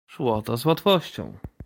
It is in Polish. "Szło to z łatwością."